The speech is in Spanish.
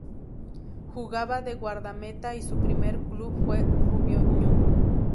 Jugaba de guardameta y su primer club fue Rubio Ñu.